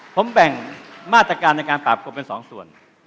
ผมแบ่งมาตรการในการปราบกรมเป็น๒ส่วน